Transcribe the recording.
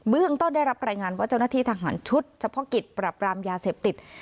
เรื่องต้นได้รับรายงานว่าเจ้าหน้าที่ทหารชุดเฉพาะกิจปรับรามยาเสพติด